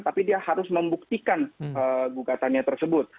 tapi dia harus membuktikan gugatannya tersebut